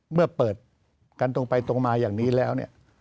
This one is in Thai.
เมื่อเปิดกันตรงไปตรงมาอย่างนี้แล้วเนี่ย